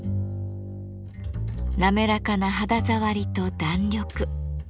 滑らかな肌触りと弾力。